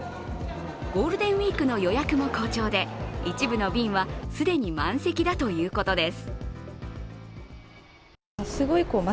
ゴールデンウイークの予約も好調で一部の便は既に満席だということです。